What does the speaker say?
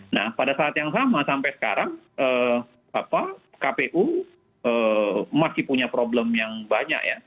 nah pada saat yang sama sampai sekarang kpu masih punya problem yang banyak ya